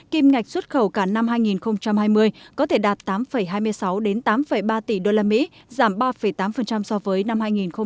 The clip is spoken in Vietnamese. kim ngạch xuất khẩu cả năm hai nghìn hai mươi có thể đạt tám hai mươi sáu tám ba tỷ usd giảm ba tám so với năm hai nghìn một mươi chín